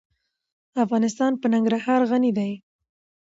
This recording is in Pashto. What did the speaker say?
افغانستان په ننګرهار غني دی.